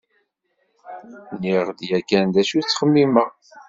Nniɣ-d yakan d acu ttxemmimeɣ.